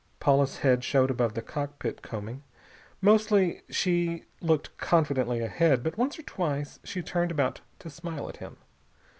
Paula's head showed above the cockpit combing. Mostly she looked confidently ahead, but once or twice she turned about to smile at him.